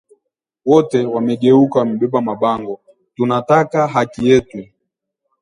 Wote wamegeuka wabeba mabango; “TUNATAKA HAKI YETU”